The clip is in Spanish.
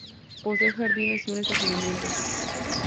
Posee jardines y un estacionamiento.